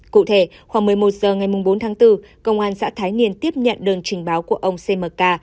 cụ thể khoảng một mươi một h ngày bốn tháng bốn công an xã thái niên tiếp nhận đơn trình báo của ông cmk